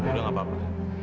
udah gak apa apa